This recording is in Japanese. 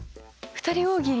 ２人大喜利。